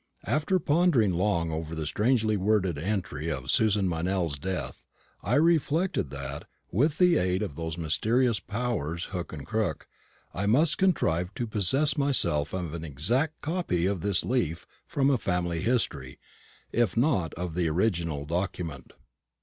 After pondering long over the strangely worded entry of Susan Meynell's death, I reflected that, with the aid of those mysterious powers Hook and Crook, I must contrive to possess myself of an exact copy of this leaf from a family history, if not of the original document.